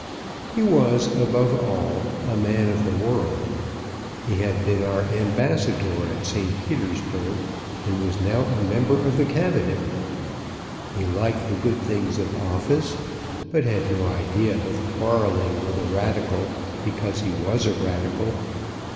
He was, above all, a man of the world. He had been our Ambassador at St. Petersburg, and was now a Member of the Cabinet. He liked the good things of office, but had no idea of quarrelling with a Radical because he was a Radical.